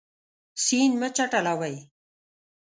سیند مه چټلوئ.